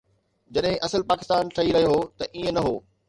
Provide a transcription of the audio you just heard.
جڏهن اصل پاڪستان ٺهي رهيو هو ته ائين نه هو.